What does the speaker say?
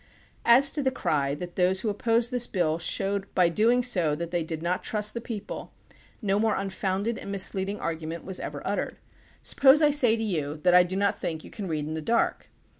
As to the cry that those who opposed this bill showed by so doing that they did not trust the people, no more unfounded and misleading argument was ever uttered. Suppose I say to you that I do not think that you can read in the dark.